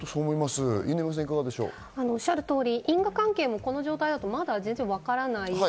おっしゃる通り因果関係は、この状態ではまだわからない。